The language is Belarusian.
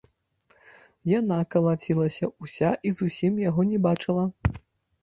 Яна калацілася ўся і зусім яго не бачыла.